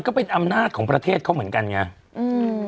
ก็เป็นอำนาจของประเทศเขาเหมือนกันไงอืม